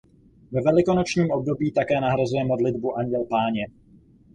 Ve velikonočním období také nahrazuje modlitbu Anděl Páně.